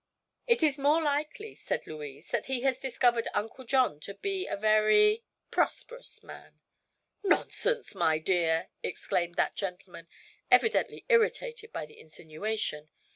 "It is more likely," said Louise, "that he has discovered Uncle John to be a very prosperous man." "Nonsense, my dear!" exclaimed that gentleman, evidently irritated by the insinuation.